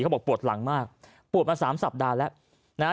บอกปวดหลังมากปวดมาสามสัปดาห์แล้วนะฮะ